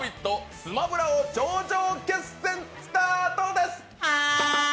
スマブラ王頂上決戦、スタートです。